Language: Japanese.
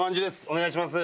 お願いします。